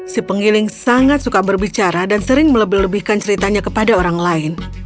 si penggiling sangat suka berbicara dan sering melebih lebihkan ceritanya kepada orang lain